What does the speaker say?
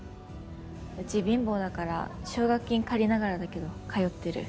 うち貧乏だから奨学金借りながらだけど通ってる。